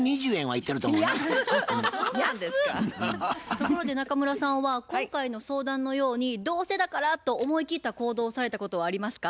ところで中村さんは今回の相談のようにどうせだからと思い切った行動をされたことはありますか？